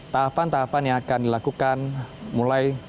tahapan tahapan yang akan dilakukan mulai